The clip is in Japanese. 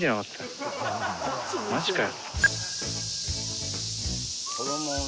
マジかよ？